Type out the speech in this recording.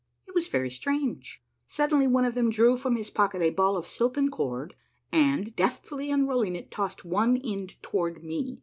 It was very strange. Suddenly one of them drew from his pocket a ball of silken cord, and, deftly unrolling it, tossed one end toward me.